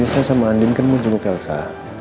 biasanya sama andin kan mau jemput elsa